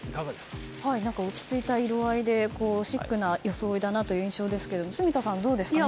落ち着いた色合いでシックな装いだなという印象ですが住田さん、どうですか？